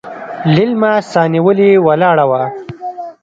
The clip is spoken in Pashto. ليلما سانيولې ولاړه وه.